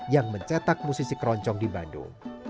yang mencetak musisi keroncong di bandung